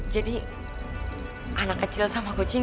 jadi anak kecil sama kucing